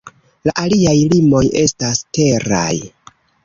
La aliaj limoj estas teraj.